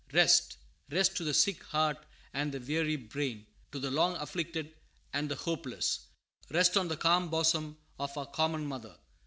Rest, rest to the sick heart and the weary brain, to the long afflicted and the hopeless, rest on the calm bosom of our common mother.